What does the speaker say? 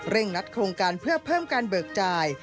นัดโครงการเพื่อเพิ่มการเบิกจ่าย